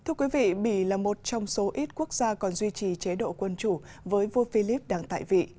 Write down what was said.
thưa quý vị bỉ là một trong số ít quốc gia còn duy trì chế độ quân chủ với vua philip đang tại vị